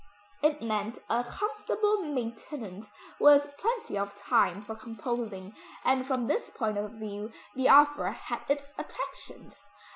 It meant a comfortable maintenance with plenty of time for composing, and from this point of view, the offer had its attractions.